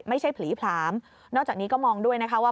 ผลีผลามนอกจากนี้ก็มองด้วยนะคะว่า